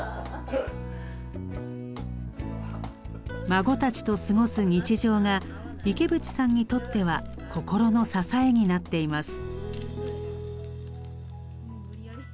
孫たちと過ごす日常が池淵さんにとっては心の支えになっています。